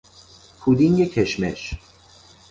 پودینگ کشمش